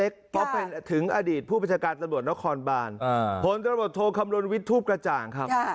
ก็ถึงอดีตผู้ประชาการตรวจนครบานผลตรวจโทรคำลวนวิทย์ทูปกระจ่างครับ